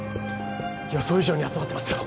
予想以上に集まってますよ